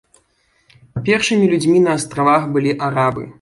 Першымі людзьмі на астравах былі арабы.